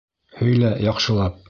Һөйлә яҡшылап.